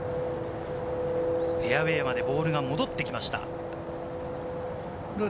フェアウエーまでボールが戻ってきました。